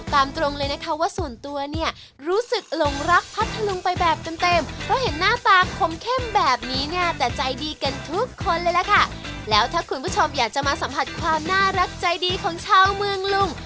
ทุกคนเลยแล้วค่ะแล้วถ้าคุณผู้ชมอยากจะมาสัมผัสความน่ารักใจดีของชาวเมืองลุง